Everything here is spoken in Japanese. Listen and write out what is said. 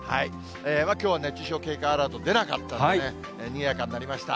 きょうは熱中症警戒アラート、出なかったので、にぎやかになりました。